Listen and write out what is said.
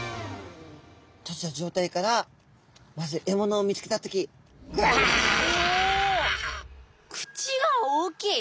閉じた状態からまず獲物を見つけた時口が大きい！